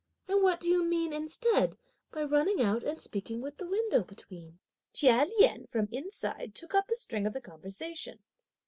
and what do you mean, instead, by running out, and speaking with the window between?" Chia Lien from inside took up the string of the conversation.